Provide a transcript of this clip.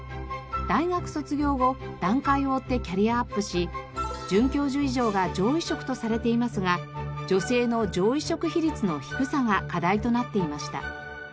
大学卒業後段階を追ってキャリアアップし准教授以上が上位職とされていますが女性の上位職比率の低さが課題となっていました。